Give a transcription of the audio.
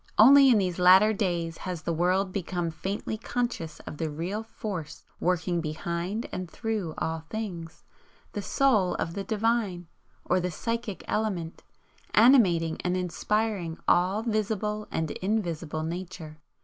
Only in these latter days has the world become faintly conscious of the real Force working behind and through all things the soul of the Divine, or the Psychic element, animating and inspiring all visible and invisible Nature.